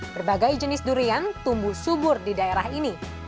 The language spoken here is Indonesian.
berbagai jenis durian tumbuh subur di daerah ini